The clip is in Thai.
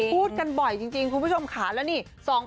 พูดกันบ่อยจริงคุณผู้ชมขาแล้วนี่